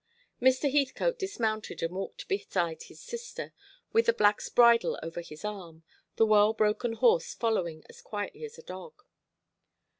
Mr. Heathcote dismounted and walked beside his sister, with the black's bridle over his arm, the well broken horse following as quietly as a dog.